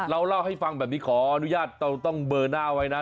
เล่าให้ฟังแบบนี้ขออนุญาตเราต้องเบอร์หน้าไว้นะ